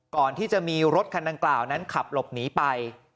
ก่อนที่จะมีรถคันดังกล่าวนั้นขับหลบหนีไป